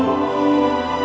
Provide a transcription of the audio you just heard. nanti aku akan pergi